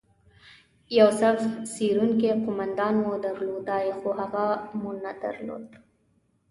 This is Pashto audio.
یو صف څیرونکی قومندان مو درلودلای، خو هغه مو نه درلود.